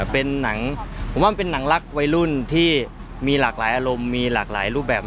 เป็นหนังผมว่ามันเป็นหนังรักวัยรุ่นที่มีหลากหลายอารมณ์มีหลากหลายรูปแบบ